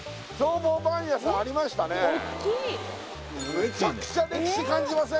めちゃくちゃ歴史感じません？